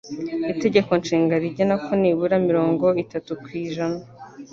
Itegeko Nshinga rigena ko nibura mirongo itatu kw'ijna